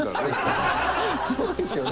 そうですよね。